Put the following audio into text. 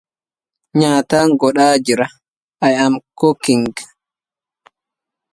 وإذا الظمآن لم يلق الروا